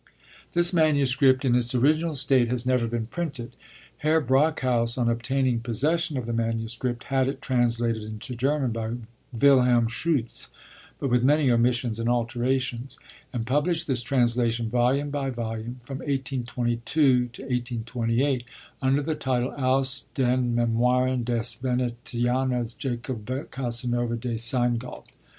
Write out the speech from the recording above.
This manuscript, in its original state, has never been printed. Herr Brockhaus, on obtaining possession of the manuscript, had it translated into German by Wilhelm Schütz, but with many omissions and alterations, and published this translation, volume by volume, from 1822 to 1828, under the title, Aus den Memoiren des Venetianers Jacob Casanova de Seingalt.